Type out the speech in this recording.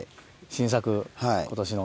新作今年の。